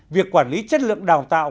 việc quản lý chất lượng đào tạo